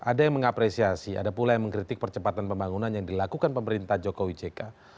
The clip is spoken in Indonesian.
ada yang mengapresiasi ada pula yang mengkritik percepatan pembangunan yang dilakukan pemerintah jokowi jk